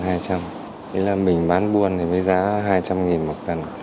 thế là mình bán buôn thì mới giá hai trăm linh nghìn một cần